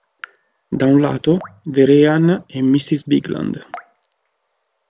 Da un lato, Vehrehan e miss Bigland.